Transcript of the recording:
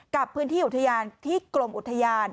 กับพื้นที่อุทยานที่กรมอุทยาน